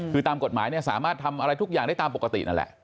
คือตามกฎหมายเนี่ยสามารถทำอะไรทุกอย่างได้ตามปกตินั่นแหละ